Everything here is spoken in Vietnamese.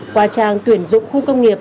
qua trang tuyển dụng khu công nghiệp